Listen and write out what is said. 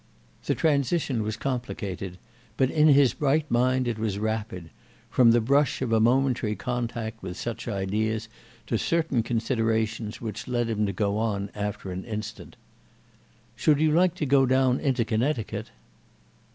The transition was complicated, but in his bright mind it was rapid, from the brush of a momentary contact with such ideas to certain considerations which led him to go on after an instant: "Should you like to go down into Connecticut?"